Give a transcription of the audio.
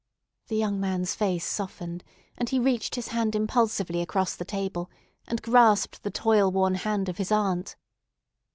The young man's face softened, and he reached his hand impulsively across the table, and grasped the toil worn hand of his aunt.